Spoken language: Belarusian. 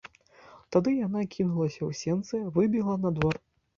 Тады яна кінулася ў сенцы, выбегла на двор.